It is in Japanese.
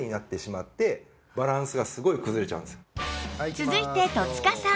続いて戸塚さん